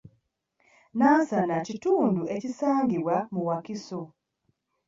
Nansana kitundu ekisangibwa mu Wakiso.